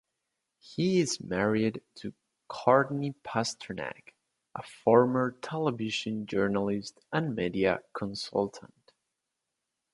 He is married to Cortney Pasternak, a former television journalist and media consultant.